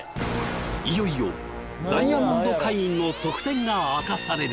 いよいよダイヤモンド会員の特典が明かされる！